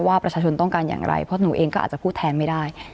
ว่าประชาชนต้องการอย่างไรเพราะหนูเองก็อาจจะพูดแทนไม่ได้